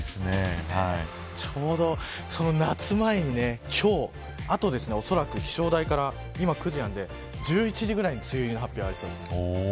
ちょうど、夏前にあと、おそらく気象台から１１時ぐらいに梅雨の発表がありそうです。